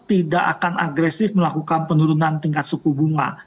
tidak akan agresif melakukan penurunan tingkat suku bunga